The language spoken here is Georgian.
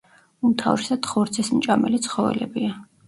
უმთავრესად ხორცისმჭამელი ცხოველებია.